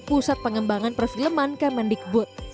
pusat pengembangan perfilman kemendikbud